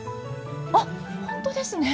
あっ本当ですね。